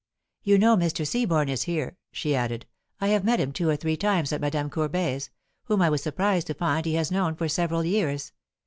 "You know Mr. Seaborne is here?" she added. "I have met him two or three times at Madame Courbet's, whom I was surprised to find he has known for several years.